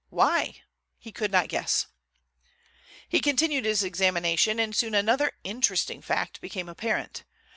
Why? He could not guess. He continued his examination, and soon another interesting fact became apparent.